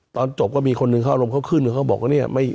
ตอนจบก็มีคนหนึ่งเขารุมเข้าขึ้นเขาบอกว่า